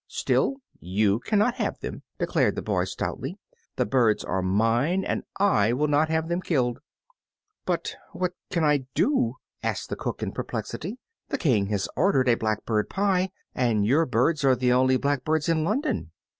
"Still, you cannot have them," declared the boy stoutly, "the birds are mine, and I will not have them killed." "But what can I do?" asked the cook, in perplexity; "the King has ordered a blackbird pie, and your birds are the only blackbirds in London."